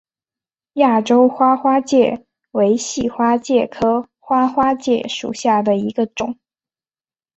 亚洲花花介为细花介科花花介属下的一个种。